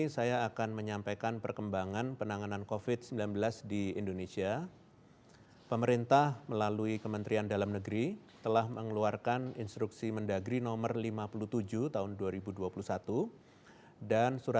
sampai jumpa di video selanjutnya